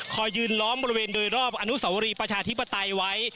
ยืนล้อมบริเวณโดยรอบอนุสวรีประชาธิปไตยไว้